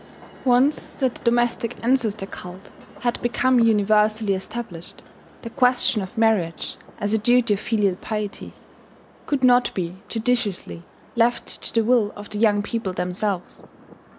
] Once that the domestic ancestor cult had become universally established, the question of marriage, as a duty of filial pity, could not be judiciously left to the will of the young people themselves.